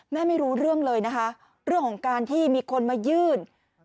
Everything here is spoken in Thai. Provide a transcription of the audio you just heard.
ไม่รู้เรื่องเลยนะคะเรื่องของการที่มีคนมายื่น